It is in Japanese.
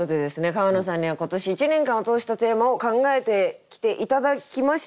川野さんには今年１年間を通したテーマを考えてきて頂きました。